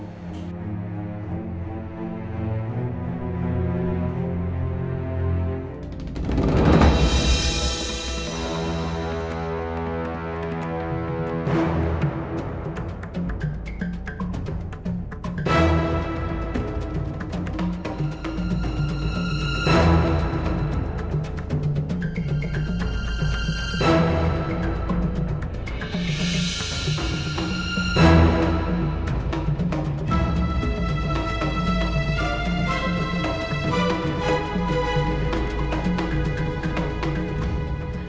apa steeds kak setting kunjung agamu di rumah ini